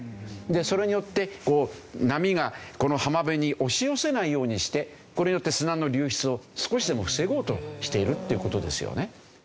それによってこう波がこの浜辺に押し寄せないようにしてこれによって砂の流出を少しでも防ごうとしているっていう事ですよね。